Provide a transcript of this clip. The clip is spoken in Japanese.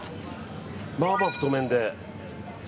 まあまあ太麺で。